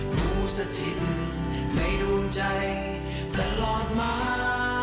ผู้สถิตในดวงใจตลอดมา